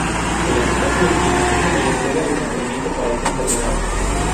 El acetato de cinc es la mejor droga de mantenimiento para esta enfermedad.